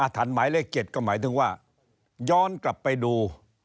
ทันหมายเลข๗ก็หมายถึงว่าย้อนกลับไปดู